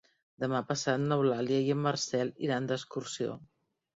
Demà passat n'Eulàlia i en Marcel iran d'excursió.